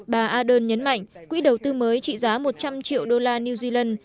bà ardern nhấn mạnh quỹ đầu tư mới trị giá một trăm linh triệu đô la new zealand